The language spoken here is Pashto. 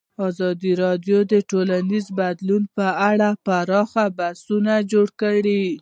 ازادي راډیو د ټولنیز بدلون په اړه پراخ بحثونه جوړ کړي.